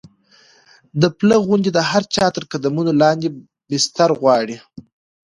د پله غوندې د هر چا تر قدمونو لاندې بستر غواړي.